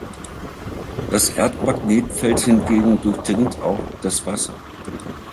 Das Erdmagnetfeld hingegen durchdringt auch das Wasser.